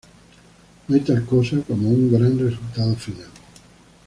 No hay tal cosa como un gran resultado final'".